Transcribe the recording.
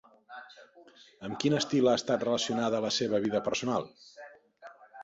Amb quin estil ha estat relacionada la seva vida personal?